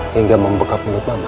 hingga membekap mulut mama